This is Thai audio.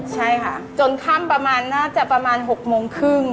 ใช่ค่ะจนค่ำประมาณน่าจะประมาณ๖โมงครึ่ง